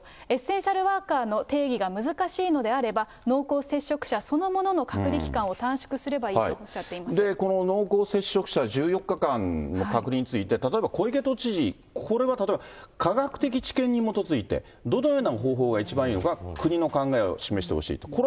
エッセンシャルワーカーの定義が難しいのであれば、濃厚接触者そのものの隔離期間を短縮すればいいとおっしゃっていこの濃厚接触者、１４日間の隔離について、例えば小池都知事、例えば、科学的知見に基づいて、どのような方法が一番いいのか、国の考えを示してほしいと。